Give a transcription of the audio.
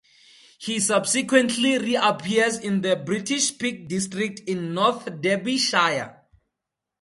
He subsequently reappears in the British Peak District in North Derbyshire.